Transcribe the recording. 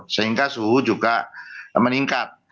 sehingga suhu juga meningkat